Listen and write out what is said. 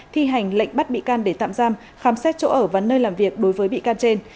thi hành lệnh bắt bị can để tạm giam khám xét chỗ ở và nơi làm việc đối với bị can trên